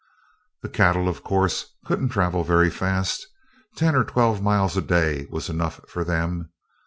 The cattle, of course, couldn't travel very fast; ten or twelve miles a day was enough for them.